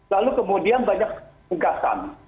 lalu kemudian banyak gugasan